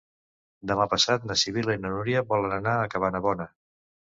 Demà passat na Sibil·la i na Núria volen anar a Cabanabona.